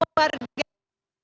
dari luar jakarta